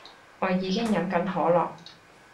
我已經飲緊可樂